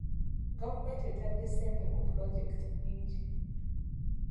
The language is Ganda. Gavumenti ettadde ssente mu pulojekiti nnyingi.